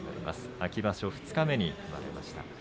秋場所二日目に組まれました。